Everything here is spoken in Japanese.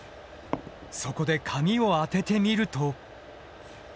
そこで紙を当ててみると。